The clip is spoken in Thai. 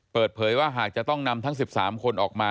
เปิดเผยว่าหากจะต้องนำทั้ง๑๓คนออกมา